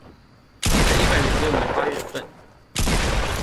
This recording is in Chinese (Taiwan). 在一百零六年八月份